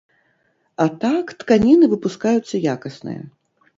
А так, тканіны выпускаюцца якасныя.